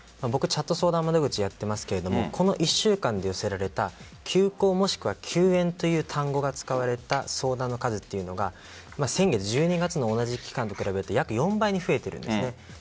チャット相談窓口をやっていますがこの１週間で寄せられた休校、もしくは休園という単語が使われた相談の数というのが先月１２月の同じ期間と比べて４倍に増えているんです。